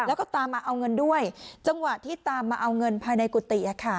แล้วก็ตามมาเอาเงินด้วยจังหวะที่ตามมาเอาเงินภายในกุฏิ